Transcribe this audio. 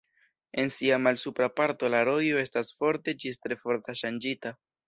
En sia malsupra parto la rojo estas forte ĝis tre forte ŝanĝita.